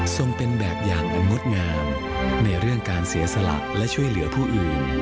ส่งเป็นแบบอย่างอันงดงามในเรื่องการเสียสละและช่วยเหลือผู้อื่น